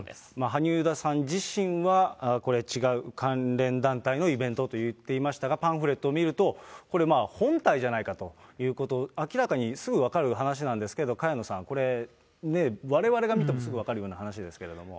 萩生田さん自身はこれ、違う、関連団体のイベントと言っていましたが、パンフレットを見るとこれ、本体じゃないかということ、明らかにすぐ分かる話なんですけど、萱野さん、これね、われわれが見てもすぐ分かるような話です